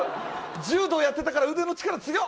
柔道をやってたから腕の力、強っ。